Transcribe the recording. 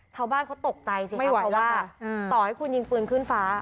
ชาวบ้านเขาตกใจสิค่ะเพราะว่าต่อให้คุณยิงปืนขึ้นฟ้า